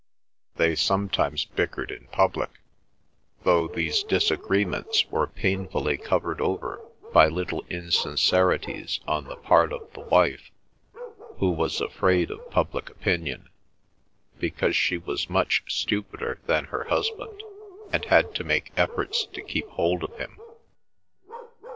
They sometimes bickered in public, though these disagreements were painfully covered over by little insincerities on the part of the wife, who was afraid of public opinion, because she was much stupider than her husband, and had to make efforts to keep hold of him.